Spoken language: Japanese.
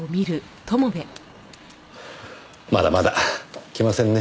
まだまだ来ませんね。